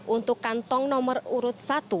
untuk kantong nomor urut satu